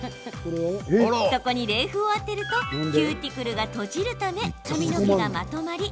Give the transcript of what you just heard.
そこに冷風を当てるとキューティクルが閉じるため髪の毛がまとまり